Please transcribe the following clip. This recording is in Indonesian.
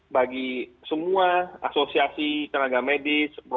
bagi semua asosiasi tenaga medis